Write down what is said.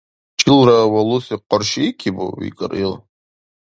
— Чилра валуси къаршиикибу? — викӀар ил.